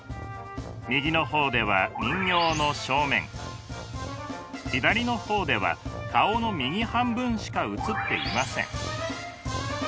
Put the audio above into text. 右の方では人形の正面左の方では顔の右半分しか映っていません。